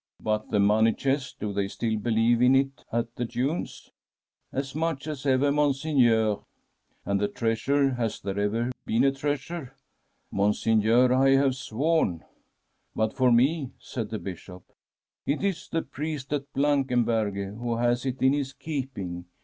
* But the money chest— do they still believe in It at the dunes ?'* As much as ever, Monseigneur.* * And the treasure — has there ever been a treas ure?' * Monseigneur, I have sworn.' * But for me,' said the Bishop. ' It is the priest at Blankenberghe, who has it in his keeping.